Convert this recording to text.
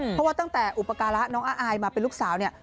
เพราะว่าตั้งแต่อุปการะน้องอายมาเป็นลูกสาวเนี่ย